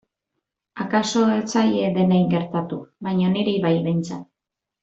Akaso ez zaie denei gertatu baina niri bai behintzat.